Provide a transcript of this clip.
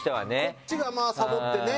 こっちがサボってね